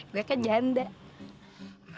gua kan janda